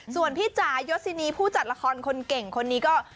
ส่วนพี่จ๋ายศินีผู้จัดละครคนเก่งคนนี้ก็